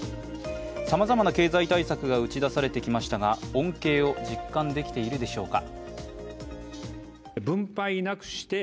さまざまな経済対策が打ち出されてきましたが、恩恵を実感できているでしょうか。